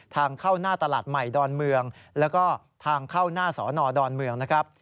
ทางเข้าหน้าตลาดใหม่ดอนเมืองแล้วก็ทางเข้าหน้าสอนอดอนเมืองนะครับ